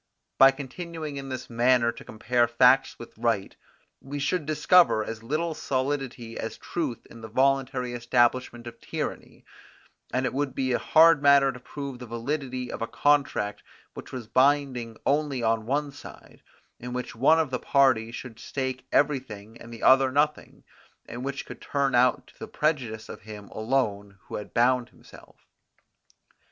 By continuing in this manner to compare facts with right, we should discover as little solidity as truth in the voluntary establishment of tyranny; and it would be a hard matter to prove the validity of a contract which was binding only on one side, in which one of the parties should stake everything and the other nothing, and which could turn out to the prejudice of him alone who had bound himself.